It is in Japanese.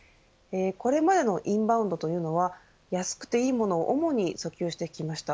これまでのインバウンドというのは安くていいものを主に訴求してきました。